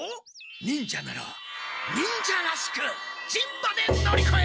忍者なら忍者らしく「人馬」で乗りこえる！